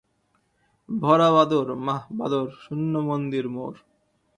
ভরা বাদর, মাহ ভাদর, শূন্য মন্দির মোর!